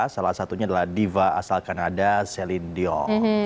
salah satunya adalah diva asal kanada celine dion